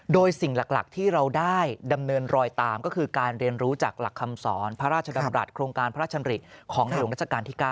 โดยสิ่งหลักที่เราได้ดำเนินรอยตามก็คือการเรียนรู้จากหลักคำสอนพระราชดำรัฐโครงการพระราชดำริของในหลวงราชการที่๙